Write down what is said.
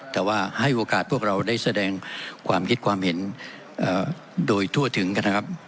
แต่ว่าให้โอกาสพวกเราได้แสดงความคิดความเห็นโดยทั่วถึงกันนะครับ